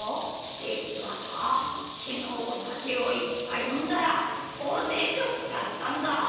じつはさきのうおさけをいっぱいのんだらおねしょしちゃったんだ。